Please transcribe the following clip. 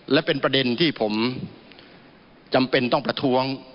และเป็นประเด็นที่ผมจำเป็นต้องประท้วง